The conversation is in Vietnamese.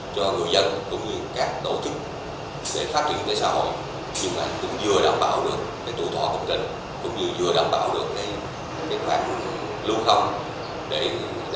cũng như vừa đảm bảo được cái khoản lưu không để đảm bảo duy trì đáo giác sơ thừa của thủy lợi